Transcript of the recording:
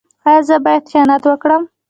ایا زه باید خیانت وکړم؟